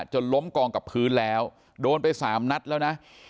จนล้มกองกับพื้นแล้วโดนไป๓นัดแล้วนะ